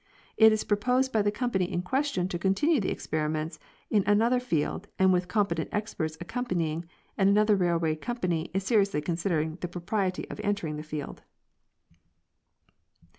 It is proposed by the company in ques tion to continue the experiments in another field and with competent experts accompanying, and another railroad com pany is seriously considering the propriety of entering the field.